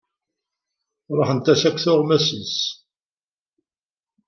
Ruḥent-as akk tuɣmas-is.